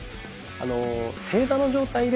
あの正座の状態で。